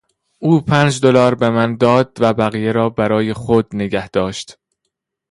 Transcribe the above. او پنج دلار به من داد و بقیه را برای خود نگه داشت.